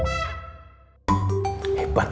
tau kenapa pak